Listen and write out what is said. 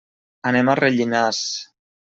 Anem a Rellinars.